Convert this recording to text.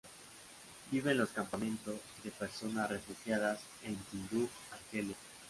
Vive en los campamento de personas refugiadas en Tinduf, Argelia.